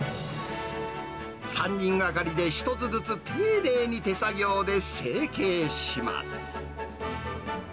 ３人がかりで一つずつ丁寧に手作業で成形します。